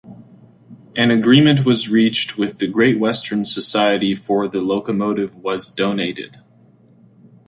An agreement was reached with the Great Western Society for the locomotive was donated.